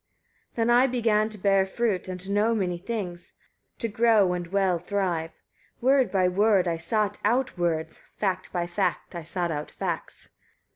143. Then I began to bear fruit, and to know many things, to grow and well thrive: word by word I sought out words, fact by fact I sought out facts.